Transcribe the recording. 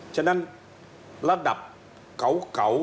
ฉะนั้นระดับเขา